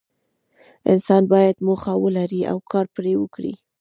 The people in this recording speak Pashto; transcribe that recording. انسان باید موخه ولري او کار پرې وکړي.